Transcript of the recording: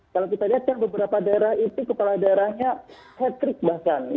kalau kita lihat kan beberapa daerah itu kepala daerahnya hat trick bahkan